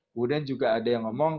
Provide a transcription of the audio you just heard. kemudian juga ada yang ngomong